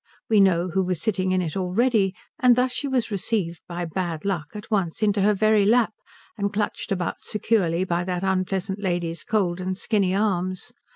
We know who was sitting in it already; and thus she was received by Bad Luck at once into her very lap, and clutched about securely by that unpleasant lady's cold and skinny arms.